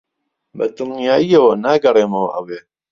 بەدڵنیاییەوە ناگەڕێمەوە ئەوێ.